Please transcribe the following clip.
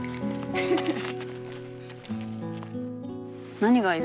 何がいる？